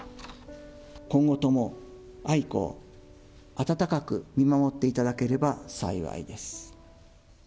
今後とも愛子を温かく見守っていただければ幸いです。